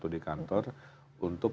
satu di kantor untuk